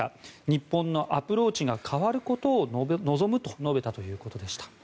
日本のアプローチが変わることを望むと述べたということでした。